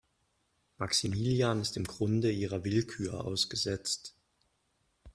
Maximilian ist im Grunde ihrer Willkür ausgesetzt.